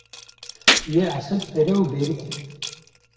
Yê esil pere û berîk e.